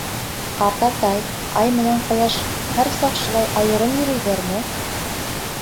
— Ҡартатай, Ай менән Ҡояш һәр саҡ шулай айырым йөрөйҙәрме?